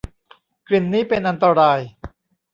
กลิ่นนี้เป็นอันตราย